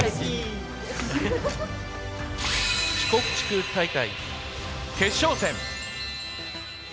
四国地区大会決勝戦。